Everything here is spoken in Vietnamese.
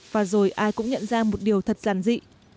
và rồi ai cũng nhận ra một điều thật giản dị